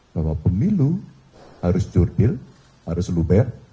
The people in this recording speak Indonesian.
bahwa pemilu harus jurbil harus luber